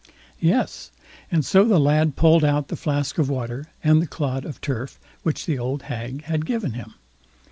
"Yes!" and so the lad pulled out the flask of water and the clod of turf, which the old hag had given him.